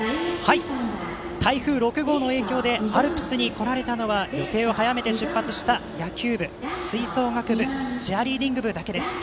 台風６号の影響でアルプスに来られたのは予定を早めて出発した野球部、吹奏楽部チアリーディング部だけです。